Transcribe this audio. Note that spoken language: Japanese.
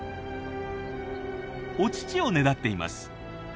お乳をねだっています。